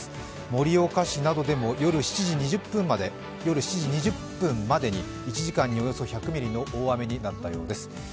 盛岡市などでも夜７時２０分までに１時間におよそ１００ミリの大雨になったようです。